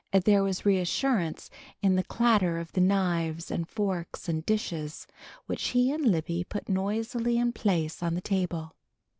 There was reassurance in the clatter of the knives and forks and dishes which he and Libby put noisily in place on the table.